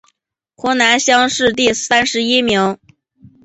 湖广乡试第三十一名。